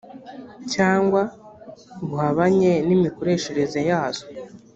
cyangwa buhabanye n imikoreshereze yazo